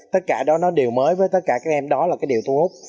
tất cả đó nó điều mới với tất cả các em đó là cái điều thu hút